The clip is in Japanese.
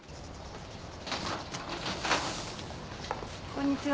こんにちは。